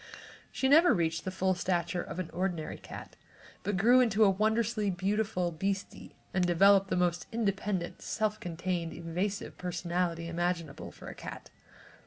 She never reached the full stature of an ordinary cat, but grew into a wondrously beautiful little beastie and developed the most independent, self contained, evasive personality imaginable, for a cat.